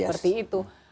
digitalisasi seperti itu